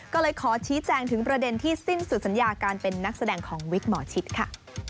ก็เลยขอชี้แจงถึงประเด็นที่สิ้นสุดสัญญาการเป็นนักแสดงของวิกหมอชิดค่ะ